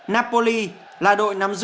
napoli là đội nắm giữ